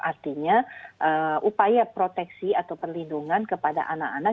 artinya upaya proteksi atau perlindungan kepada anak anak